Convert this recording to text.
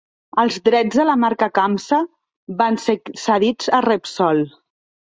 Els drets de la marca Campsa van ser cedits a Repsol.